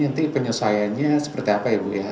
nanti penyesuaiannya seperti apa ya bu ya